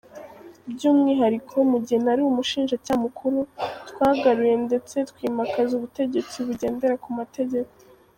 "By'umwihariko, mu gihe nari umushinjacyaha mukuru, twagaruye ndetse twimakaza ubutegetsi bugendera ku mategeko".